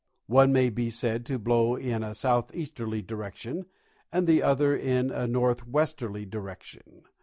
One may be said to blow in a southeasterly direction and the other in a north westerly direction.